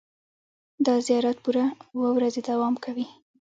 دا زیارت پوره اوه ورځې دوام کوي.